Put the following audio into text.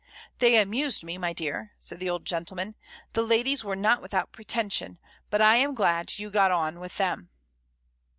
"They amused me, my dear," said the old gentleman, "the ladies were not without pretension, but I am glad you got on with them."